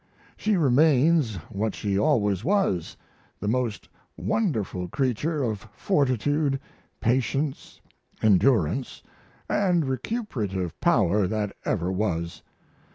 She remains what she always was, the most wonderful creature of fortitude, patience, endurance, and recuperative power that ever was.